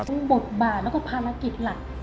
บทบาทแล้วก็ภารกิจหลัก